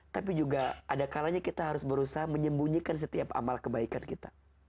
tapi juga ada kalanya kita harus berusaha menyembunyikan setiap amal kebaikan kita